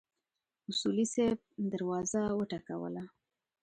اصولي صیب دروازه وټکوله.